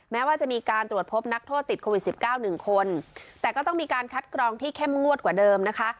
แม้ว่าจะมีการตรวจพบนักโทษติดโควิดสิบเก้าหนึ่งคนแต่ก็ต้องมีการคัดกรองที่เข้มงวดกว่าเดิมนะคะ